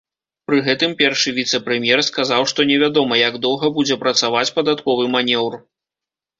Пры гэтым першы віцэ-прэм'ер сказаў, што невядома, як доўга будзе працаваць падатковы манеўр.